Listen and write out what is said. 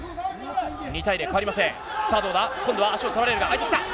２対０は変わりません。